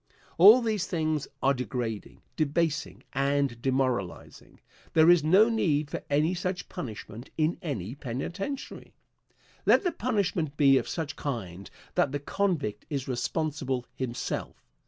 All these things are degrading, debasing, and demoralizing. There is no need of any such punishment in any penitentiary. Let the punishment be of such kind that the convict is responsible himself.